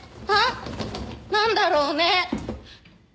あっ何だろうね？